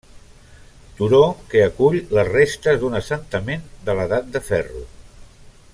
Turó que acull les restes d'un assentament de l'edat de Ferro.